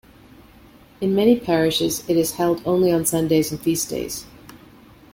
In many parishes it is held only on Sundays and feast days.